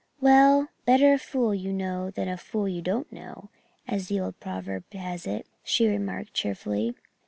"Well, better a fool you know than a fool you do not know, as the old proverb has it," she remarked cheerfully.